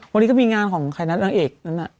วันนี้ก็มีงานของคัยนัดนางเอกนั่นอ่ะ